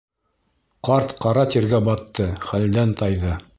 Ҡарт ҡара тиргә батты, хәлдән тайҙы.